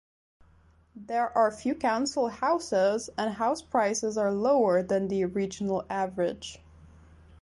There are few council houses and house prices are lower than the regional average.